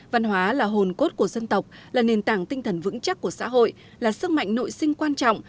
văn hóa là hồn cốt của dân tộc là nền tảng tinh thần vững chắc của xã hội là sức mạnh nội sinh quan trọng